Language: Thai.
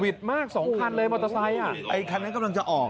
มากสองคันเลยมอเตอร์ไซค์อ่ะไอ้คันนั้นกำลังจะออก